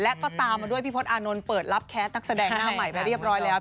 และก็ตามมาด้วยพี่พศอานนท์เปิดรับแคสนักแสดงหน้าใหม่ไปเรียบร้อยแล้ว